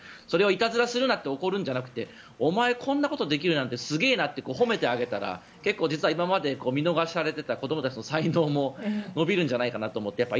それをいたずらするなって怒るんじゃなくてお前こんなことできるなんてすげえなって褒めてあげたら今まで見逃されていた子どもたちの才能も伸びるんじゃないかなと思って。